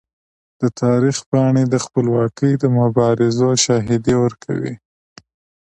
د تاریخ پاڼې د خپلواکۍ د مبارزو شاهدي ورکوي.